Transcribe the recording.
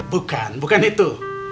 bukan bukan itu